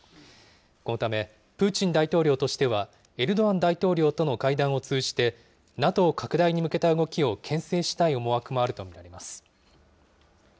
このため、プーチン大統領としては、エルドアン大統領との会談を通じて、ＮＡＴＯ拡大に向けた動きをけん制したい思惑もあると見られます。